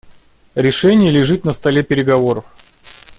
Решение лежит на столе переговоров.